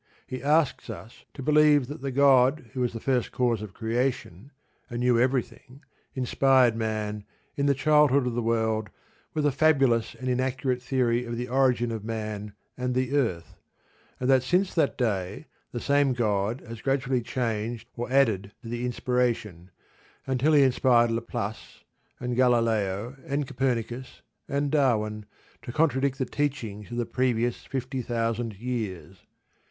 He asks us to believe that the God who was the first cause of creation, and knew everything, inspired man, in the childhood of the world, with a fabulous and inaccurate theory of the origin of man and the earth, and that since that day the same God has gradually changed or added to the inspiration, until He inspired Laplace, and Galileo, and Copernicus, and Darwin to contradict the teachings of the previous fifty thousand years.